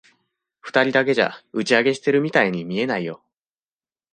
二人だけじゃ、打ち上げしてるみたいに見えないよ。